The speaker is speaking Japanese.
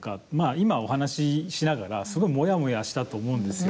今、お話ししながらすごいもやもやしたと思うんですよ。